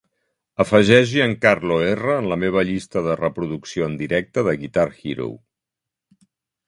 Afegeix Giancarlo Erra a la meva llista de reproducció en directe de Guitar Hero